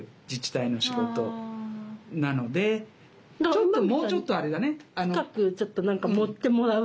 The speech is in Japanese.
ちょっともうちょっとあれだね。